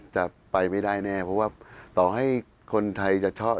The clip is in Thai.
จะไปไม่ได้แน่เพราะว่าต่อให้คนไทยจะชอบ